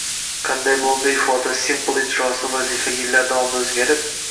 Qanday bo'ldi ifoda Simple ijrosi Vazifa yillar davomida o'zgarib?